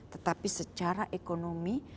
tetapi secara ekonomi